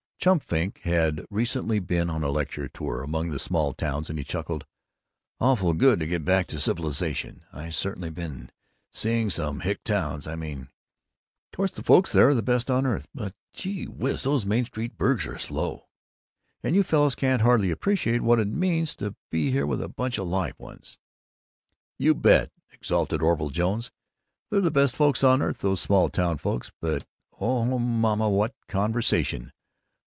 Chum Frink had recently been on a lecture tour among the small towns, and he chuckled, "Awful good to get back to civilization! I certainly been seeing some hick towns! I mean Course the folks there are the best on earth, but, gee whiz, those Main Street burgs are slow, and you fellows can't hardly appreciate what it means to be here with a bunch of live ones!" "You bet!" exulted Orville Jones. "They're the best folks on earth, those small town folks, but, oh, mama! what conversation!